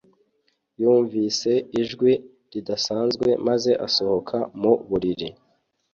Yumvise ijwi ridasanzwe maze asohoka mu buriri